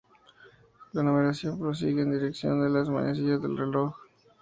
La numeración prosigue en dirección de las manecillas del reloj.